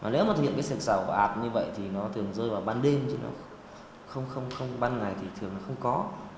nếu mà thực hiện cái diện xả ồ ạt như vậy thì nó thường rơi vào ban đêm chứ nó không không không ban ngày thì thường nó không có